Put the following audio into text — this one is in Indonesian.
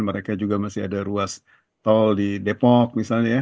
mereka juga masih ada ruas tol di depok misalnya ya